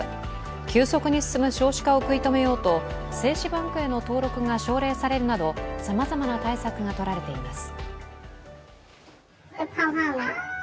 急速に進む少子化を食い止めようと精子バンクへの登録が奨励されるなど、さまざまな対策がとられています。